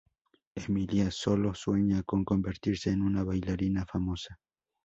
Emilia sólo sueña con convertirse en una bailarina famosa.